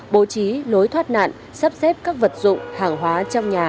bố trí lối thoát nạn sắp xếp các vật dụng hàng hóa trong nhà